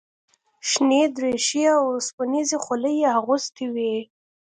شنې دریشۍ او اوسپنیزې خولۍ یې اغوستې وې.